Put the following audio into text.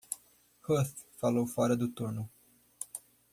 Ruth falou fora do turno.